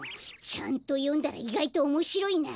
ちゃんとよんだらいがいとおもしろいな！